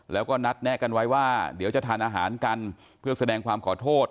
แล้วก็นัดแนะกันไว้ว่าเดี๋ยวจะทานอาหารกันเพื่อแสดงความขอโทษ